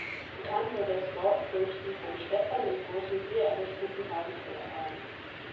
Bekannt wurde das Dorf durch die von Stefan dem Großen hier errichten Weinkellereien.